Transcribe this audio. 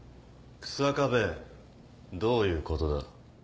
日下部どういうことだ？